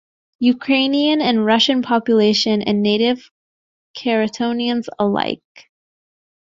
Ukrainian and Russian population and Native Charitonians alike.